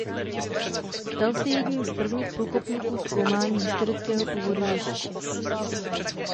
Stal se jedním z prvních průkopníků zkoumání historického původu Ježíše.